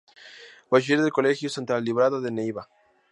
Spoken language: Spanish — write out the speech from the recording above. Bachiller del colegio Santa Librada de Neiva.